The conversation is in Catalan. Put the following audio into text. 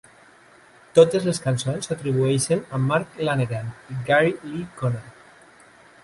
Totes les cançons s'atribueixen a Mark Lanegan i Gary Lee Conner.